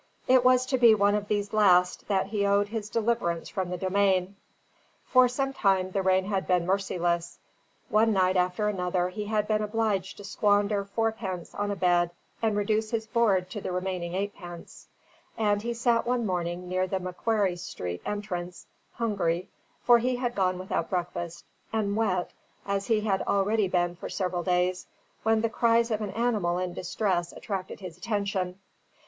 It was to one of these last that he owed his deliverance from the Domain. For some time the rain had been merciless; one night after another he had been obliged to squander fourpence on a bed and reduce his board to the remaining eightpence: and he sat one morning near the Macquarrie Street entrance, hungry, for he had gone without breakfast, and wet, as he had already been for several days, when the cries of an animal in distress attracted his attention.